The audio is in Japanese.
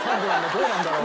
どうなんだろう？」。